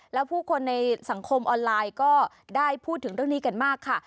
แล้วผู้คนในสังคมออนไลน์ก็ได้พูดถึงเรื่องนี้กันมากค่ะ